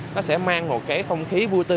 nó sẽ mang một không khí vui tươi